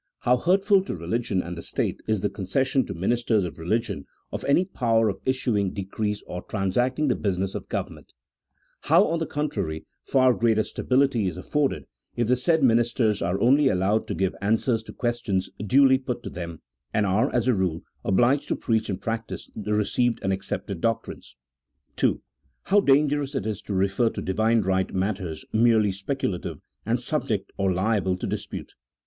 How hurtful to religion and the state is the concession to ministers of religion of any power of issuing decrees or trans acting the business of government : how, on the contrary, far greater stability is afforded, if the said ministers are only allowed to give answers to questions duly put to them, and are, as a rule, obliged to preach and practise the re ceived and accepted doctrines. II. How dangerous it is to refer to Divine right matters merely speculative and subject or liable to disjmte.